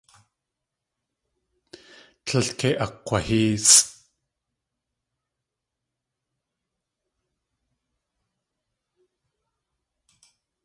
Tlél kei akg̲wahéesʼ.